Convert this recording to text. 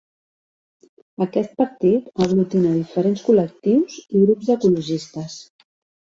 Aquest partit aglutina diferents col·lectius i grups ecologistes.